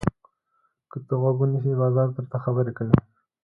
که ته غوږ ونیسې، بازار درته خبرې کوي.